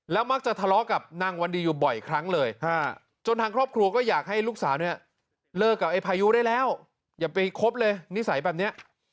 มักจะทะเลาะกับนางวันดีอยู่บ่อยครั้งเลยจนทางครอบครัวก็อยากให้ลูกสาวเนี่ยเลิกกับไอ้พายุได้แล้วอย่าไปคบเลยนิสัยแบบนี้